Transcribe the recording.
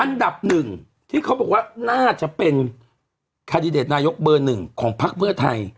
อันดับหนึ่งที่เขาบอกว่าน่าจะเป็นคาดิเดตนายกเบอร์หนึ่งของพักเพื่อไทย